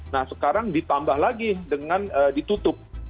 nah sekarang ditambah lagi dengan ditutup